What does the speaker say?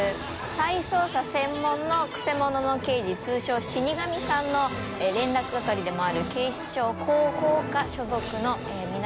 再捜査専門のくせ者の刑事名死神さんの連絡係でもある抻訥広報課所属の鄒逎瓮い